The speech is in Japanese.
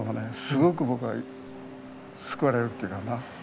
すごく僕は救われるっていうかな。